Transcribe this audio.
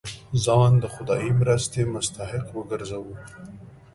ځان د خدايي مرستې مستحق وګرځوو.